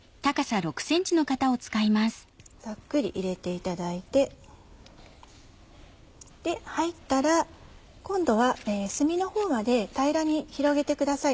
ざっくり入れていただいて入ったら今度は隅のほうまで平らに広げてください。